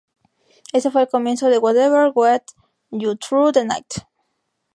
Ese fue el comienzo de `Whatever Gets You Thru The Night´"".